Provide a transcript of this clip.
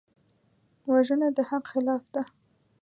وژنه د حق خلاف ده